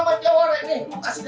masjid namanya perlengah